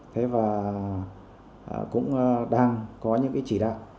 thế và cũng đang có những cái chỉ đạo